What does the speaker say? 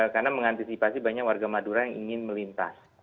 karena mengantisipasi banyak warga madura yang ingin melintas